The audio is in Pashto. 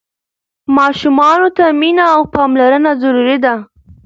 ماشومانو ته مينه او پاملرنه ضروري ده.